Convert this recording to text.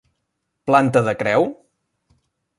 Planta de creu?